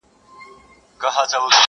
o زړه پر زړه دئ!